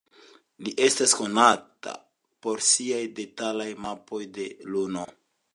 Li estas konata por siaj detalaj mapoj de Luno.